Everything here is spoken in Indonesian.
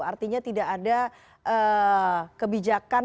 artinya tidak ada kebijakan